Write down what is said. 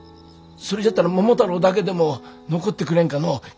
それじゃったら桃太郎だけでも残ってくれんかのう。